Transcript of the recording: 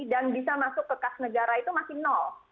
dan bisa masuk ke kas negara itu masih nol